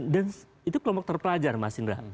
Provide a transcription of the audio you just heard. dan itu kelompok terpelajar mas indra